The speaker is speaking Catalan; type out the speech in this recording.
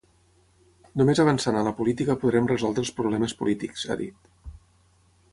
Només avançant a la política podrem resoldre els problemes polítics, ha dit.